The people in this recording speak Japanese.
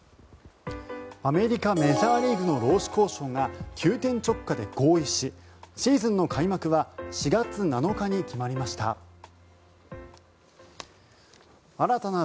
アメリカ・メジャーリーグの労使交渉が急転直下で合意しシーズンの開幕は４月７日に決まりました。